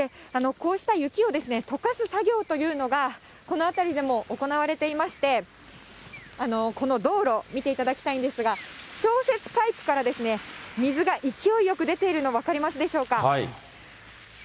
こうした雪をとかす作業というのが、この辺りでも行われていまして、この道路、見ていただきたいんですが、消雪パイプから、水が勢いよく出ているの、分かりますでしょうか。